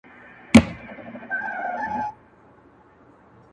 عشق مي ژبه را ګونګۍ کړه په لېمو دي پوهومه,